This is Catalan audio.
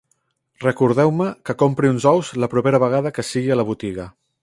Recordeu-me que compri uns ous la propera vegada que sigui a la botiga.